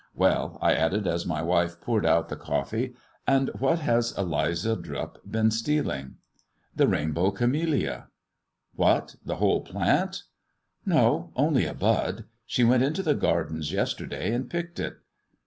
Well," I added, as my wife poured out the coffee, " and what has Eliza Drupp been stealing 1 "" The rainbow camellia." " What, the whole plant 1 "" No, only a bud. She went into the Gardens yesterday and picked it."